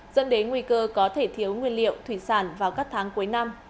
dẫn đến nguy cơ có thể thiếu nguyên liệu thủy sản vào các tháng cuối năm